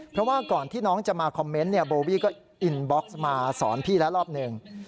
เพราะว่าก่อนที่น้องจะมาคอมเมนต์เนี่ยโบวี่ก็อินบ็อกซ์มาสอนพี่แล้วรอบหนึ่ง